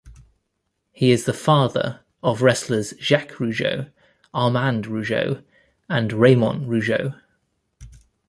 He is the father of wrestlers Jacques Rougeau, Armand Rougeau and Raymond Rougeau.